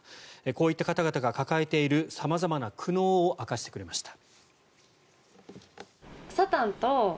こういった方々が抱えている様々な苦悩を明かしてくれました。